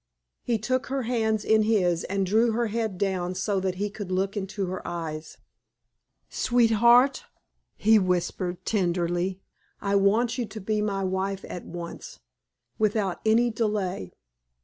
He took her hands in his and drew her head down so that he could look into her eyes. "Sweetheart," he whispered, tenderly, "I want you to be my wife at once without any delay.